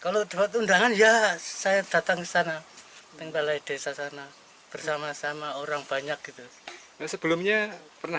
sebelumnya pernah dapat bantuan pak